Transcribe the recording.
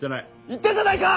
言ったじゃないか！